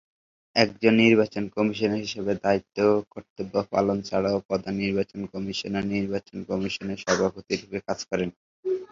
একজন নির্বাচন কমিশনার হিসাবে দায়িত্ব ও কর্তব্য পালন ছাড়াও প্রধান নির্বাচন কমিশনার নির্বাচন কমিশনের সভাপতি রূপে কাজ করেন।